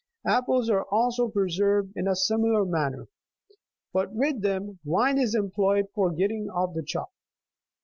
34 Apples are also pre served in a similar manner ; but with them wine is employed for getting off the chalk.